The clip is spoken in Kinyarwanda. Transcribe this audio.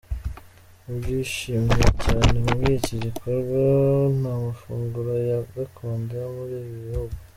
Mu byishimiwe cyane muri iki gikorwa ni amafunguro ya gakondo yo muri ibi bihugu.